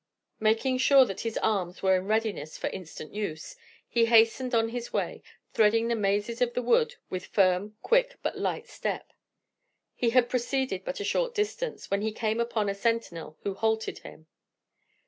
Making sure that his arms were in readiness for instant use, he hastened on his way, threading the mazes of the wood with firm, quick, but light step. He had proceeded but a short distance, when he came upon a sentinel who halted him.